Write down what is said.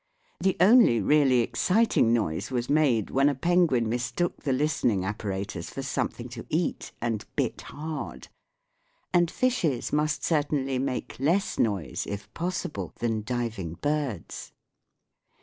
The only really exciting noise was made when a penguin mistook the listening apparatus for something to eat and bit hard ! And fishes must certainly make less noise, if possible, than diving birds.